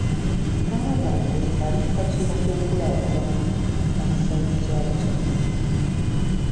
Mukwano gwange ali ku kakiiko k'enkulaakulana mu kkanisa y'ekyalo kyaffe.